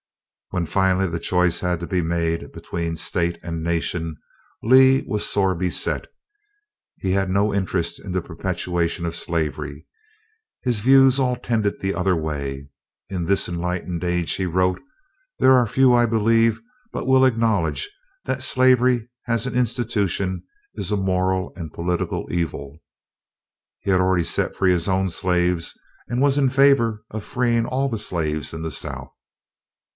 When finally the choice had to be made, between State and Nation, Lee was sore beset. He had no interest in the perpetuation of slavery. His views all tended the other way. "In this enlightened age," he wrote, "there are few, I believe, but will acknowledge that slavery as an institution is a moral and political evil." He had already set free his own slaves, and was in favor of freeing "all the slaves in the South."